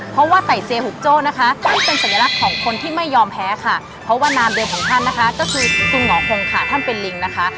เพราะว่าใส่เซียหุกโจ้นะคะซึ่งเป็นสัญลักษณ์ของคนที่ไม่ยอมแพ้ค่ะเพราะว่านามเดิมของท่านนะคะก็คือคุณหมอคงค่ะท่านเป็นลิงนะคะ